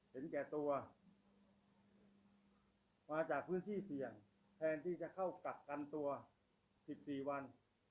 เห็นแก่ตัวมาจากพื้นที่เสี่ยงแทนที่จะเข้ากักกันตัว๑๔วัน